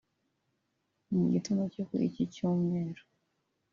Mu gitondo cyo kuri iki cyumweru